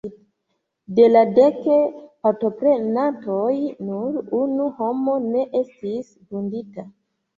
De la dek partoprenantoj, nur unu homo ne estis vundita.